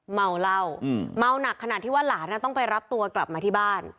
เมาเหล้าเมาหนักขนาดที่ว่าหลานต้องไปรับตัวกลับมาที่บ้าน